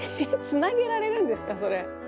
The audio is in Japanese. つなげられるんですかそれ。